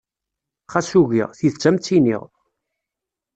Xas ugiɣ, tidet ad m-tt-iniɣ.